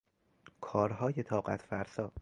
کارهای طاقتفرسا